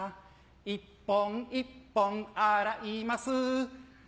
１本１本洗います